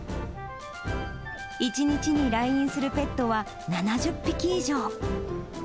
１日に来院するペットは７０匹以上。